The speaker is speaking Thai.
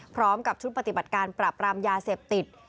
พร้อมกับชุดปฏิบัติการปราบรามยาเสพติด